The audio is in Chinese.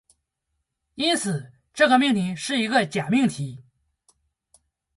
因此，这个命题是一个假命题。